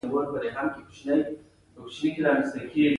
متوازن غذا د انرژۍ کچه لوړه ساتي.